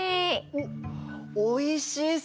おっおいしそう！